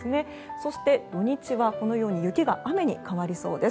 そして、土日はこのように雪が雨に変わりそうです。